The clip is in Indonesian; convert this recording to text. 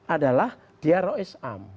adalah dia roh islam